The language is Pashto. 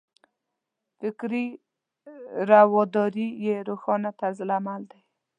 فکري رواداري یې روښانه طرز عمل دی.